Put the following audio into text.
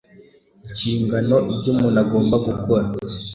Inshingano: ibyo umuntu agomba gukora